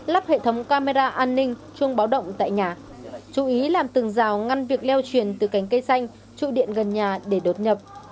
lắp hệ thống camera an ninh chuông báo động tại nhà chú ý làm từng rào ngăn việc leo truyền từ cánh cây xanh trụ điện gần nhà để đột nhập